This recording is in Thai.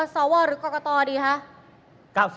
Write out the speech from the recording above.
สวรรค์หรือกรกตดีคะ